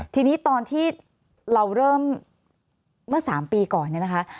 ทีนี้ตอนที่เราเริ่มเมื่อ๓ปีก่อน